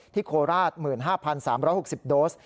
ที่โคลราศ๑๕๓๖๐โดส